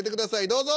どうぞ。